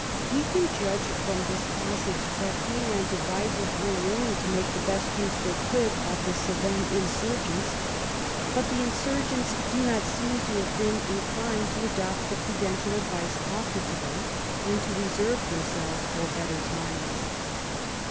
We can judge from this passage that Queen Anne's advisers were willing to make the best use they could of the Cevennes insur gents, but the insurgents do not seem to have been in clined to adopt the prudential advice offered to them, and to reserve themselves for better times.